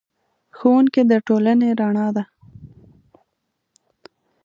ښوونکی د ټولنې رڼا دی.